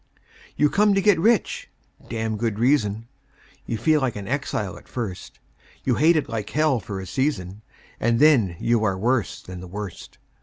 You come to get rich (damned good reason); You feel like an exile at first; You hate it like hell for a season, And then you are worse than the worst.